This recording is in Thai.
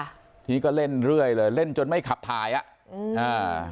ทีนี้ก็เล่นเรื่อยเลยเล่นจนไม่ขับถ่ายอะ